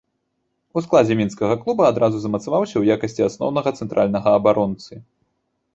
У складзе мінскага клуба адразу замацаваўся ў якасці асноўнага цэнтральнага абаронцы.